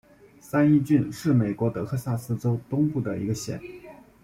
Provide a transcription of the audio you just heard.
三一郡是美国德克萨斯州东部的一个县。